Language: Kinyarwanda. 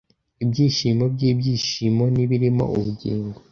Ibyishimo byibyishimo nibirimo ubugingo;